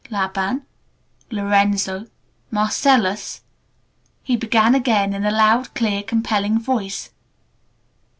"Laban Lorenzo Marcellus," he began again in a loud, clear, compelling voice.